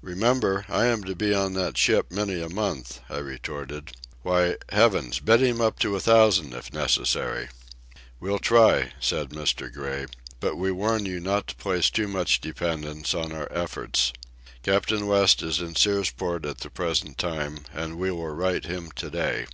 "Remember, I am to be on that ship many a month," I retorted. "Why, heavens, bid him up to a thousand if necessary." "We'll try," said Mr. Gray, "but we warn you not to place too much dependence on our efforts. Captain West is in Searsport at the present time, and we will write him to day."